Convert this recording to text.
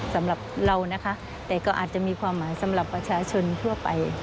สำหรับเรานะคะแต่ก็อาจจะมีความหมายสำหรับประชาชนทั่วไป